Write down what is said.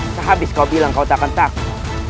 sehabis kau bilang kau tak akan takut